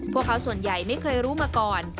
พวกเขาส่วนใหญ่ไม่เคยรู้มาก่อน